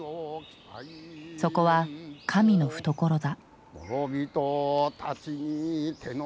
そこは神の懐だ。